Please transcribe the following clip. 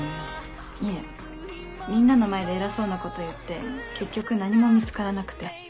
いえみんなの前で偉そうなこと言って結局何も見つからなくて。